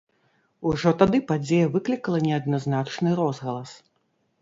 Ужо тады падзея выклікала неадназначны розгалас.